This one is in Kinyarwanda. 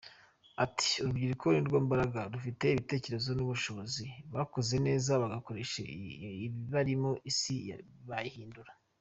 Ati “Urubyiruko nirwo mbaraga, rufite ubitekerezo n’ubushobozi, bakoze neza bagakoresha ibibarimo isi bayihindura.